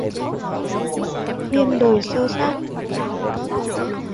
Hiên đời xơ xác